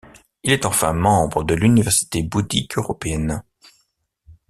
Il est enfin membre de l'Université bouddhique européenne.